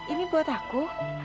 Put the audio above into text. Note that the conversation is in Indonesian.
ini buat aku